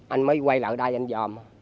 anh mới quay lại đây anh dòm